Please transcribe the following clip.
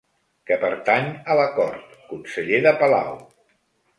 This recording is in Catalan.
Que pertany a la cort, conseller de palau.